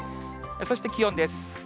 そして気温です。